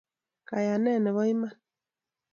kayanet nebo iman